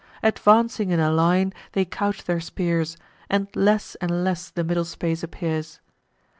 Advancing in a line, they couch their spears; And less and less the middle space appears.